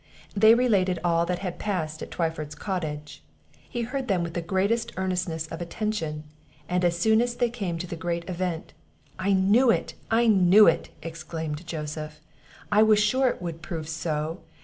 They related all that had passed at Twyford's cottage; he heard them with the greatest eagerness of attention, and as soon as they came to the great event, "I knew it! I knew it!" exclaimed Joseph; "I was sure it would prove so!